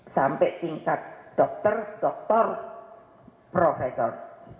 sampai tingkat dokter dokter profesor